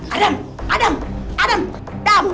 adam adam adam